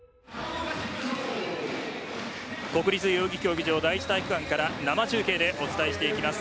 国立代々木競技場第一体育館から生中継でお伝えしていきます。